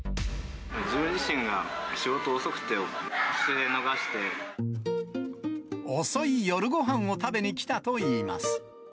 自分自身が仕事遅くて、遅い夜ごはんを食べに来たといいます。